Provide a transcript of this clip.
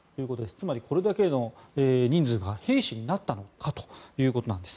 つまりこれだけの人数が兵士になったんだということです。